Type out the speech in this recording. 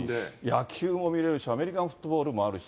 野球も見れるし、アメリカンフットボールもあるし。